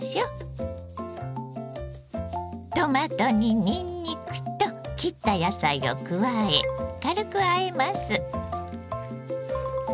トマトににんにくと切った野菜を加え軽くあえます。